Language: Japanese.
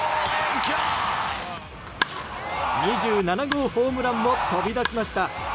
２７号ホームランも飛び出しました。